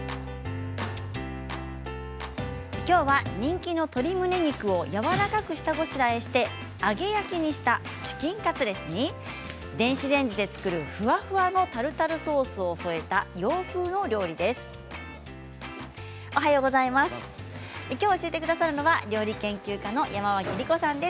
きょうは人気の鶏むね肉をやわらかく下ごしらえして揚げ焼きにしたチキンカツレツに電子レンジで作るふわふわのタルタルソースを添えた洋風の料理です。